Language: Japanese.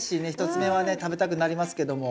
１つ目はね食べたくなりますけども。